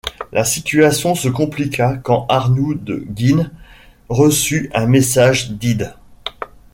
La situation se compliqua quand Arnoud de Guines reçut un message d'Ide.